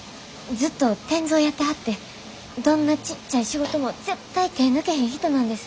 ずっと転造をやってはってどんなちっちゃい仕事も絶対手ぇ抜けへん人なんです。